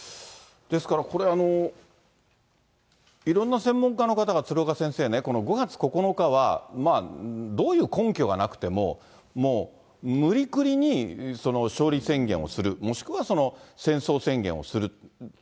ですからこれ、いろんな専門家の方が鶴岡先生ね、この５月９日はどういう根拠がなくても、もう無理くりに勝利宣言をする、もしくは戦争宣言をする。